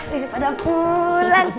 lirik pada pulang